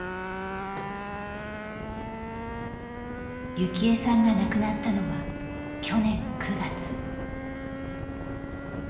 幸江さんが亡くなったのは去年９月。